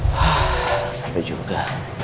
hhhh sampai juga